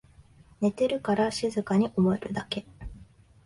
寝てるから静かに思えるだけ